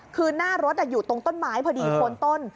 คือหน้ารถอยู่ตรงต้นไม้พอดีโคนต้น